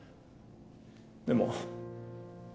でも。